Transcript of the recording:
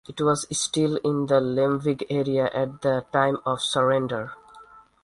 It was still in the Lemvig area at the time of surrender.